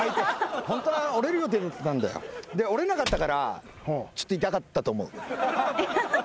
折れなかったからちょっと痛かったと思う。